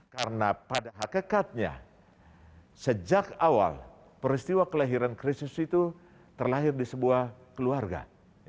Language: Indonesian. karena pada hakikatnya sejak awal peristiwa kelahiran kristus itu terlahir di sebuah keluarga